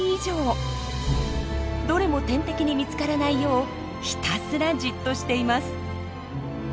どれも天敵に見つからないようひたすらじっとしています。